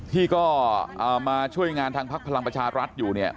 ที่ก็มาช่วยงานทางพรรณปัชรัฐอยู่